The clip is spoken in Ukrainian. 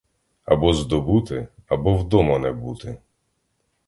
Або здобути, або вдома не бути.